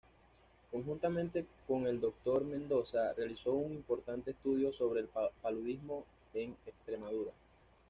Conjuntamente con el doctor Mendoza, realizó un importante estudio sobre el paludismo en Extremadura.